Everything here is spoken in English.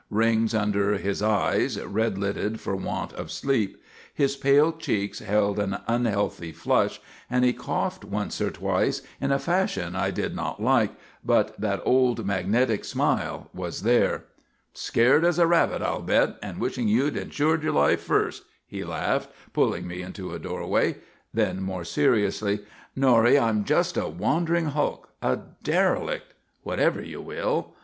Rings were under his eyes, red lidded for want of sleep. His pale cheeks held an unhealthy flush and he coughed once or twice in a fashion I did not like, but that old magnetic smile was there. "Scared as a rabbit, I'll bet, and wishing you'd insured your life first," he laughed, pulling me into a doorway. Then, more seriously, "Norrie, I'm just a wandering hulk, a derelict; whatever you will.